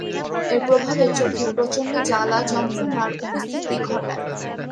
এর প্রভাবে চোখে প্রচণ্ড জ্বালা-যন্ত্রণার উপস্থিতি ঘটায়।